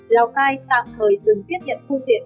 lào cai tạm thời dừng tiết nhận phương tiện